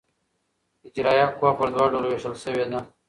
اجرائیه قوه پر دوه ډوله وېشل سوې ده.